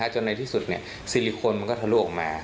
จนในที่สุดซิลิโคนมันก็ทะลุออกมา